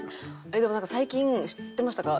でもなんか最近知ってましたか？